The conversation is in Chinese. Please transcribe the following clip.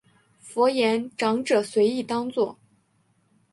佛言长者随意当作。